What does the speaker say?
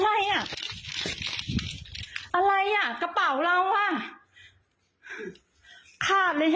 เนี่ยค่ะจะชากกระเป๋าเราไป